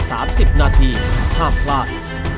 จอมควันวันนี้๑๙นาทีห้ามพลาด